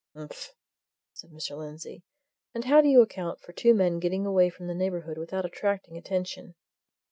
"Umph!" said Mr. Lindsey. "And how do you account for two men getting away from the neighbourhood without attracting attention?"